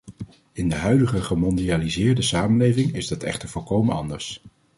In de huidige gemondialiseerde samenleving is dat echter volkomen anders.